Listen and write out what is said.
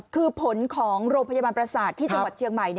คือผลของโรงพยาบาลประสาทที่จังหวัดเชียงใหม่